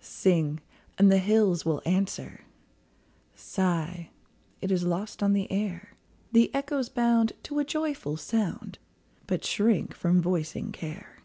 Sing, and the hills will answer; Sigh, it is lost on the air; The echoes bound to a joyful sound, But shrink from voicing care.